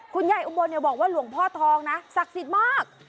คุณยัยอุบลเนี่ยบอกว่าหลวงพ่อทองน่ะศักรณ์สิทธิ์มาก